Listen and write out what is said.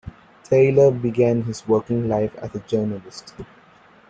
Taylor began his working life as a journalist.